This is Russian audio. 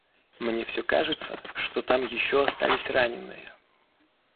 Мне все кажется, что там еще остались раненые.